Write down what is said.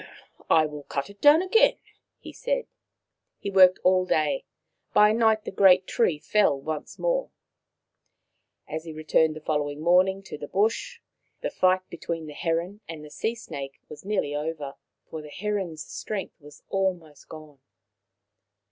" I will cut it down again/' he said. He worked all day. By night the great tree fell once more. As he returned the following morning to the bush, the fight between the heron and the sea snake was nearly over, for the heron's strength was almost gone.